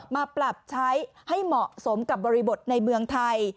มาปรับใช้ให้เหมาะสมกับบริบทในเมืองไทย